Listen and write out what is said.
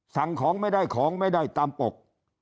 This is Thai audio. สั่งของไม่ได้ของไม่ได้ตามปก